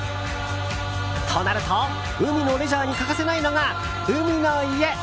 となると、海のレジャーに欠かせないのが海の家。